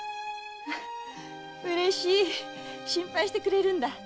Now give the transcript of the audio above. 嬉しい心配してくれるんだ。